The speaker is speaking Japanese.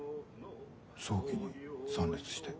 葬儀に参列して。